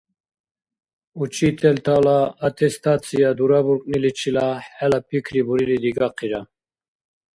Учителтала аттестация дурабуркӀниличила хӀела пикри бурили дигахъира.